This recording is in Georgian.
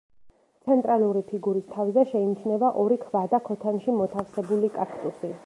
ცენტრალური ფიგურის თავზე შეიმჩნევა ორი ქვა და ქოთანში მოთავსებული კაქტუსი.